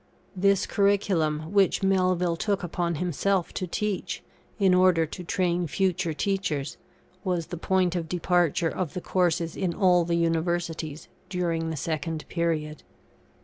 This curriculum, which Melville took upon himself to teach, in order to train future teachers, was the point of departure of the courses in all the Universities during the second period.